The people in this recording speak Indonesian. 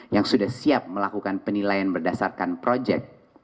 yang sudah siap melakukan penilaian berdasarkan proyek